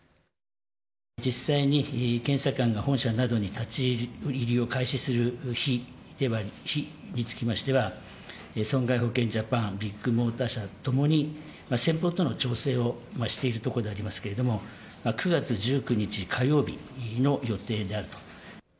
実際に検査官が本社などに立ち入りを開始する日につきましては、損害保険ジャパン、ビッグモーター社ともに、先方との調整をしているところでありますけれども、９月１９日火曜日の予定であると。